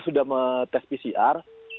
sudah tes pcr